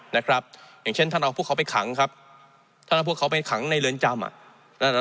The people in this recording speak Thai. นะครับอย่างเช่นท่านเอาพวกเขาไปขังครับท่านเอาพวกเขาไปขังในเรือนจำอ่ะ